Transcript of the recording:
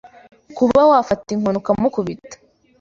Kuba wafata inkoni ukamukubita